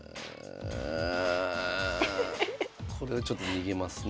これをちょっと逃げますね。